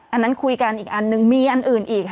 อันนั้นคุยกันอีกอันนึงมีอันอื่นอีกค่ะ